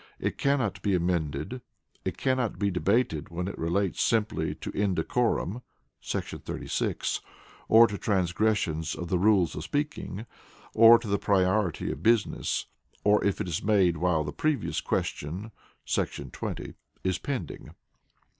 It cannot be amended; it cannot be debated when it relates simply to indecorum [§ 36], or to transgressions of the rules of speaking, or to the priority of business, or if it is made while the previous question [§ 20] is pending.